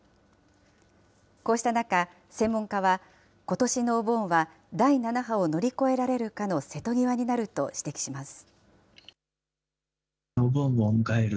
こうした中、専門家は、ことしのお盆は、第７波を乗り越えられるかの瀬戸際になると指摘します。